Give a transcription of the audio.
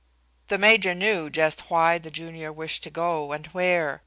The major knew just why the junior wished to go and where.